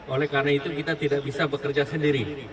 oleh karena itu kita tidak bisa bekerja sendiri